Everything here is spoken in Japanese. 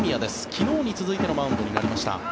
昨日に続いてのマウンドになりました。